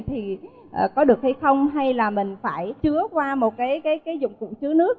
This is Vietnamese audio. thì có được hay không hay là mình phải chứa qua một cái dụng cụ chứa nước